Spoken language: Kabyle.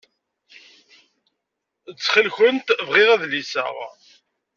Ttxil-kent bɣiɣ adlis-a.